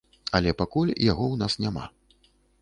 Але пакуль яго ў нас няма.